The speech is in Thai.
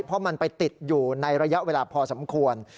เพราะมันไปติดอยู่ในระยะเวลาพอสมควร